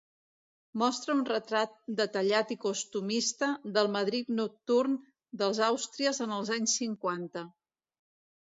Mostra un retrat detallat i costumista, del Madrid nocturn dels Àustries en els anys cinquanta.